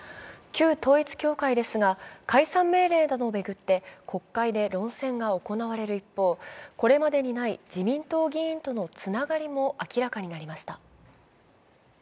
旧統一教会ですが解散命令などを巡って国会で論戦が行われる一方、これまでにない自民党議員とのつながりも明らかになりました。